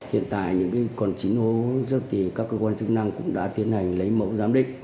hiện tại những còn chín hố chất thì các cơ quan chức năng cũng đã tiến hành lấy mẫu giám đích